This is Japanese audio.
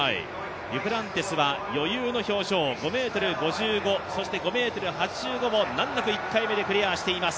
デュプランティスは余裕の表情、５ｍ５５、そして５ｍ８５を難なく１回目でクリアしています。